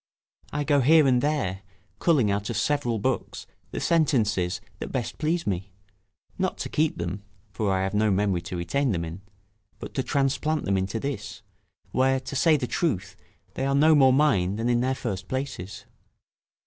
I go here and there, culling out of several books the sentences that best please me, not to keep them (for I have no memory to retain them in), but to transplant them into this; where, to say the truth, they are no more mine than in their first places.